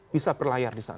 bisa berlayar disana